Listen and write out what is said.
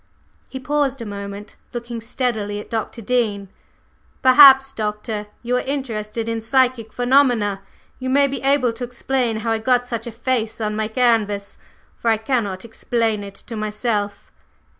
He paused a moment, looking steadily at Dr. Dean. "Perhaps, Doctor, as you are interested in psychic phenomena, you may be able to explain how I got such a face on my canvas, for I cannot explain it to myself."